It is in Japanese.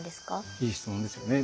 いい質問ですよね。